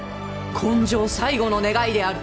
今生最後の願いである！